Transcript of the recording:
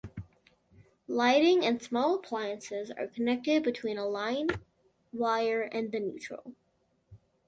Lighting and small appliances are connected between a line wire and the neutral.